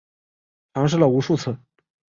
尝试了无数次